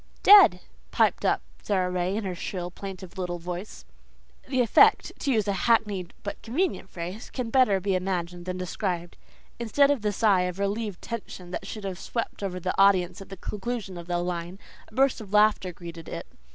"DEAD," piped up Sara Ray in her shrill, plaintive little voice. The effect, to use a hackneyed but convenient phrase, can better be imagined than described. Instead of the sigh of relieved tension that should have swept over the audience at the conclusion of the line, a burst of laughter greeted it.